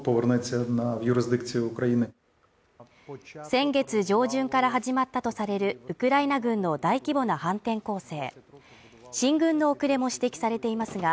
先月上旬から始まったとされるウクライナ軍の大規模な反転攻勢進軍の遅れも指摘されていますが、